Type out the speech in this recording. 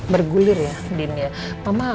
bergulir ya din ya